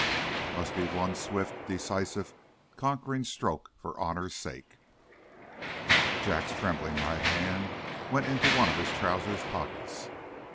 It must be one swift, decisive, conquering stroke for honor's sake. Jack's trembling right hand went into one of his trousers pockets.